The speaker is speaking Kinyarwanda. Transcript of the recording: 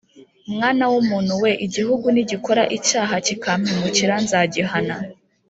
Mwana w’ umuntu we igihugu nigikora icyaha kikampemukira nzagihana